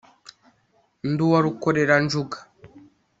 Ndi uwa Rukoreranjuga